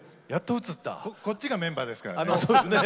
こっちがメンバーですよ。